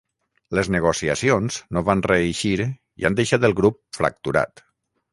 Les negociacions no van reeixir i han deixat el grup fracturat.